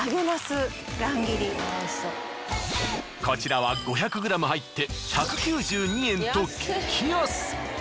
こちらは５００ｇ入って１９２円と激安。